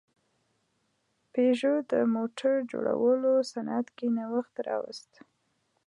پيژو د موټر جوړولو صنعت کې نوښت راوست.